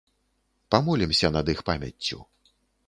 Памолімся над іх памяццю.